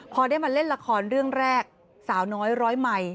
พอได้มาเล่นละครเรื่องแรกสาวน้อยร้อยใหม่